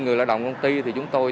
người lao động công ty thì chúng tôi